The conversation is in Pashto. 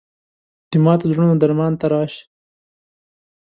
د ماتو زړونو درمان ته راشه